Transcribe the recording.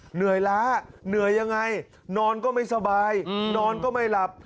เหนื่อยล้าเหนื่อยยังไงนอนก็ไม่สบายนอนก็ไม่หลับ